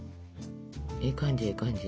ええ感じええ感じ。